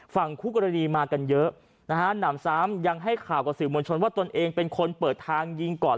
ฝั่งคู่กรณีมากันเยอะนะฮะหนำซ้ำยังให้ข่าวกับสื่อมวลชนว่าตนเองเป็นคนเปิดทางยิงก่อน